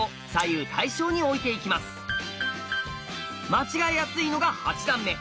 間違いやすいのが八段目。